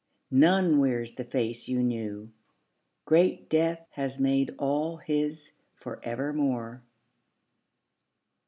None wears the face you knew. Great death has made all his for evermore.